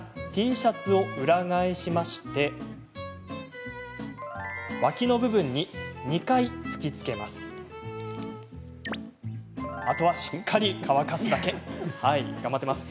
Ｔシャツを裏返して脇の部分に２回吹きつけます。